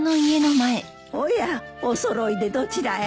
おやお揃いでどちらへ？